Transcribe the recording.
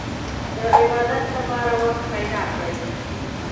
د عبادت لپاره وخت پيدا کړئ.